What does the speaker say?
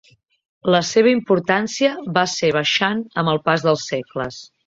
La seva importància va ser baixant amb el pas dels segles.